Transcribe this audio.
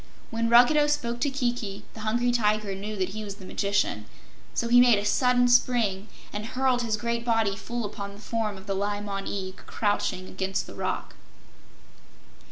When Ruggedo spoke to Kiki, the Hungry Tiger knew that he was the magician, so he made a sudden spring and hurled his great body full upon the form of the Li Mon Eag crouching against the rock.